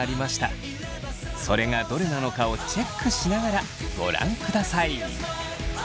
それがどれなのかをチェックしながらご覧ください。